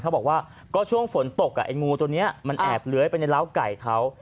เขาบอกว่าก็ช่วงฝนตกไอ้งูตัวนี้มันแอบเลื้อยไปในร้าวไก่เขา